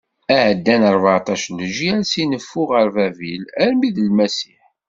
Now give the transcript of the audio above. Ɛeddan rbeɛṭac n leǧyal si neffu ɣer Babil armi d Lmasiḥ.